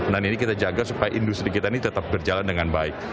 ini kita jaga supaya industri kita ini tetap berjalan dengan baik